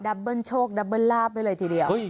ับเบิ้ลโชคดับเบิ้ลลาบไว้เลยทีเดียว